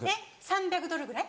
３００ドルぐらい？